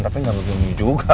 tapi gak berhenti juga